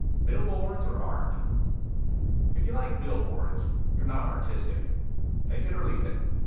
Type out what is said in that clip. Billboards or Art If you like billboards you are not artistic. Take it or leave it.